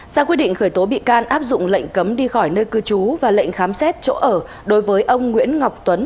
ra quyết định khởi tố bị can áp dụng lệnh cấm đi khỏi nơi cư trú và lệnh khám xét chỗ ở đối với ông nguyễn ngọc tuấn